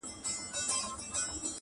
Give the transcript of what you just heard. o ومي د سترګو نګهبان لکه باڼه ملګري,